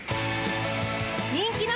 人気の